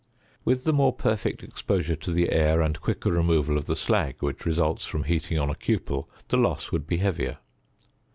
With the more perfect exposure to the air, and quicker removal of the slag, which results from heating on a cupel, the loss would be heavier.